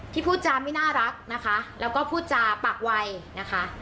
พูดจาไม่น่ารักนะคะแล้วก็พูดจาปากวัยนะคะ